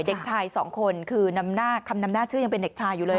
เด็กชายสองคนคือคำนำหน้าชื่อยังเป็นเด็กชายอยู่เลย